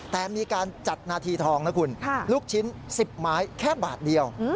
แต่มีการจัดนาทีทองนะคุณลูกชิ้น๑๐ไม้แค่บาทเดียว